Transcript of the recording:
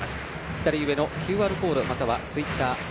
左上のＱＲコードまたは、ツイッター「＃